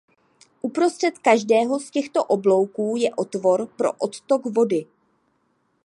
Uprostřed každého z těchto oblouků je otvor pro odtok vody.